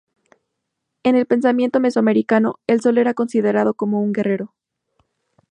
En el pensamiento mesoamericano, el Sol era considerado como un guerrero.